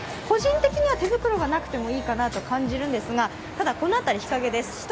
個人的には手袋がなくてもいいかなという感じがするんですがただ、この辺り、日陰です。